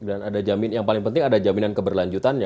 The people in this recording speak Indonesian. dan ada jamin yang paling penting ada jaminan keberlanjutan ya